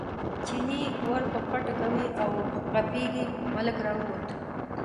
چیني ور په پښه ټکوي او غپېږي، ملک راووت.